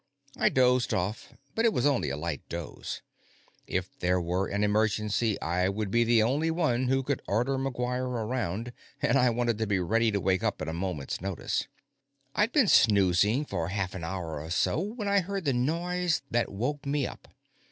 I dozed off, but it was only a light doze. If there were an emergency, I would be the only one who could order McGuire around, and I wanted to be ready to wake up at a moment's notice. I'd been snoozing for half an hour or so when I heard the noise that woke me up.